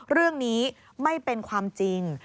เรื่องนี้ไม่เป็นความจริง